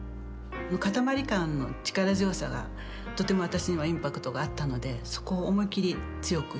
かたまり感の力強さがとても私にはインパクトがあったのでそこを思いっきり強くしています。